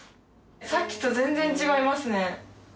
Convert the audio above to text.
さっきと全然違いますね。